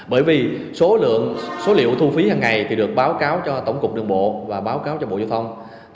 bởi vì số liệu thu phí hằng ngày thì được báo cáo cho tổng cục đường bộ và báo cáo cho bộ giao thông